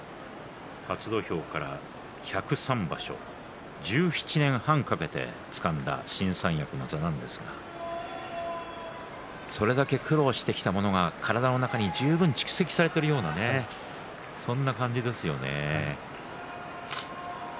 初土俵から１０３場所、１７年半かけてつかんだ新三役の座なんですがそれだけ苦労したものが体の中に十分に蓄積されているようなそんな感じですよね。